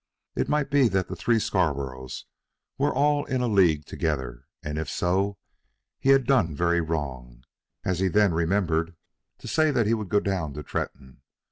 It might be that the three Scarboroughs were all in a league together; and if so, he had done very wrong, as he then remembered, to say that he would go down to Tretton.